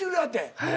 へえ。